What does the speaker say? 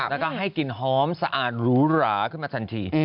แล้วก็ให้กลิ่นหอมสะอาดหรูหราขึ้นมาทันที